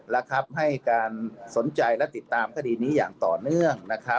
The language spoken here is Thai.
และให้การสนใจและติดตามคดีนี้อย่างต่อเนื่อง